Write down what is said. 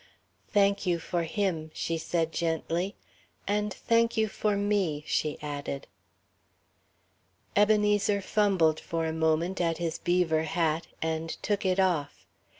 "Thank you for him," she said gently. "And thank you for me," she added. Ebenezer fumbled for a moment at his beaver hat, and took it off.